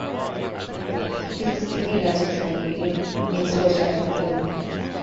It is the second-largest county in Minnesota by total area.